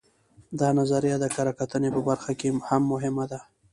دا نظریه د کره کتنې په برخه کې هم مهمه ده